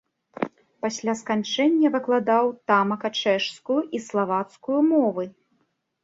Пасля сканчэння выкладаў тамака чэшскую і славацкую мовы.